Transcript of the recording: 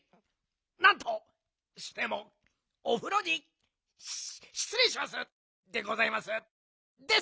なんとしてもおふろにしつれいしますでございますですよ！